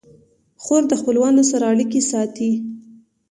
خور د خپلوانو سره اړیکې ساتي.